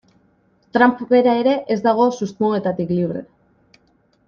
Trump bera ere ez dago susmoetatik libre.